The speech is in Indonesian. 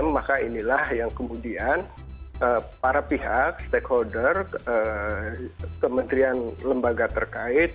maka inilah yang kemudian para pihak stakeholder kementerian lembaga terkait